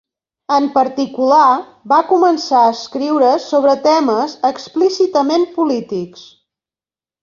En particular, va començar a escriure sobre temes explícitament polítics.